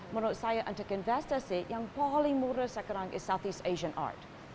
menurut saya untuk investasi yang paling murah sekarang i southeast asian art